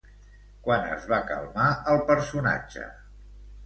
Quan es va calmar el personatge?